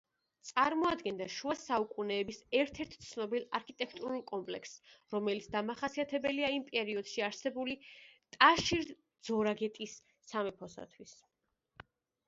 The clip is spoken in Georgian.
წარმოადგენდა შუა საუკუნეების ერთ-ერთ ცნობილ არქიტექტურულ კომპლექსს, რომელიც დამახასიათებელია იმ პერიოდში არსებული ტაშირ-ძორაგეტის სამეფოსათვის.